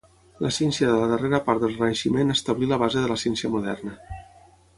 La ciència de la darrera part del Renaixement establí la base de la ciència moderna.